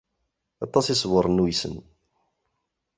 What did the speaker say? Aṭas i isebren uysen.